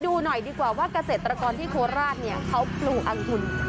ดูหน่อยดีกว่าว่ากระเศษตรกรที่โคสราชเขาก็ปลูกอังหุ่น